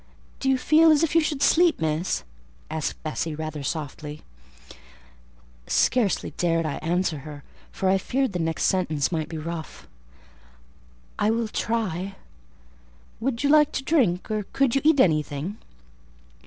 "Do you feel as if you should sleep, Miss?" asked Bessie, rather softly. Scarcely dared I answer her; for I feared the next sentence might be rough. "I will try." "Would you like to drink, or could you eat anything?"